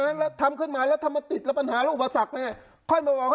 แล้วทำขึ้นมาแล้วทำมาติดแล้วปัญหาแล้วอุปสรรคเนี่ยค่อยมาบอกให้ศรีสุวรรณ